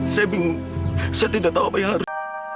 saya bingung saya tidak tahu apa yang harus